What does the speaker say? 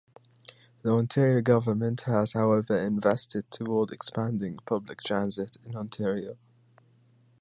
The Ontario government has however invested toward expanding public transit in Ontario.